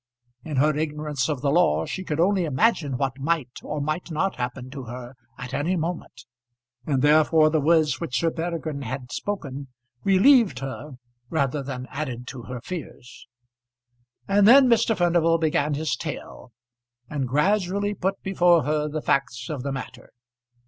In her ignorance of the law she could only imagine what might or might not happen to her at any moment, and therefore the words which Sir Peregrine had spoken relieved her rather than added to her fears. And then Mr. Furnival began his tale, and gradually put before her the facts of the matter.